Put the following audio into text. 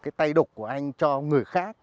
cái tay đục của anh cho người khác